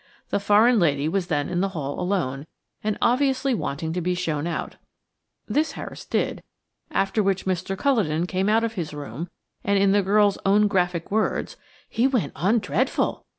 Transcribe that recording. The foreign lady was then in the hall alone, and obviously waiting to be shown out. This Harris did, after which Mr. Culledon came out of his room, and, in the girl's on graphic words, "he went on dreadful."